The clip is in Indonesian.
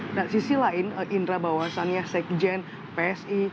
tetapi indra bahwasannya sekjen psi